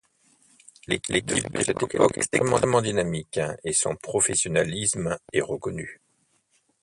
L'équipe de cette époque est extrêmement dynamique et son professionnalisme est reconnu.